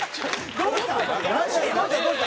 どうした？